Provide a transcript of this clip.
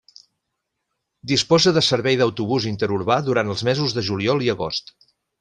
Disposa de servei d’autobús interurbà durant els mesos de juliol i agost.